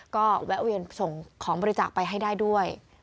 ก็แวะเวียนส่งของบริจาคไปให้ได้ด้วย